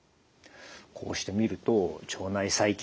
こうしてみると腸内細菌